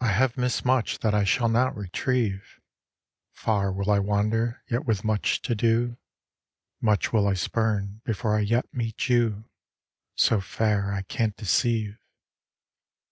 I have missed much that I shall not retrieve, Far will I wander yet with much to do. Much will I spurn before I yet meet you, So fair I can't deceive.